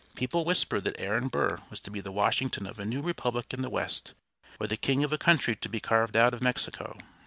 People whispered that Aaron Burr was to be the Washington of a new republic in the West, or the king of a country to be carved out of Mexico.